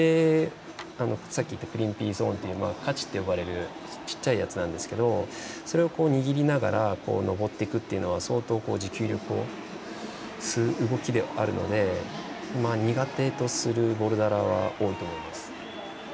先ほど言ったカチって呼ばれる小さいやつなんですけどそれを握りながら登っていくというのは相当、持久力を吸う動きではあるので苦手とするボルダーは多いと思います。